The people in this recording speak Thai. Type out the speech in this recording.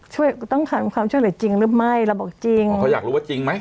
ต้องถามความช่วยเหลือจริงหรือไม่เราบอกจริงเขาอยากรู้ว่าจริงไหม